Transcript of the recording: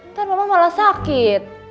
ntar mama malah sakit